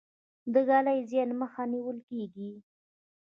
د ږلۍ د زیان مخه نیول کیږي.